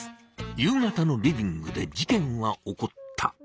夕方のリビングで事件は起こった。